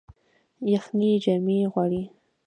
یخني جامې غواړي